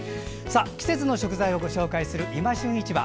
季節の食材をご紹介する「いま旬市場」。